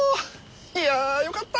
いやよかった！